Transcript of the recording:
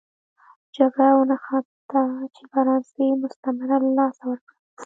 جګړه ونښته چې فرانسې مستعمره له لاسه ورکړه.